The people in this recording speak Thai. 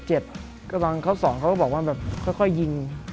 ก็บางเขาสองเขาก็บอกว่าแบบค่อยยิง